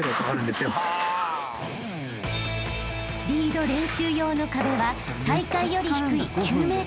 ［リード練習用の壁は大会より低い９ｍ］